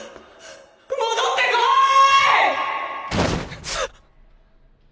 戻って来い！